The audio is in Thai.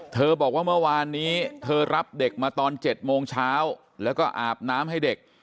บอกว่าเมื่อวานนี้เธอรับเด็กมาตอน๗โมงเช้าแล้วก็อาบน้ำให้เด็ก